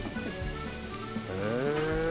へえ。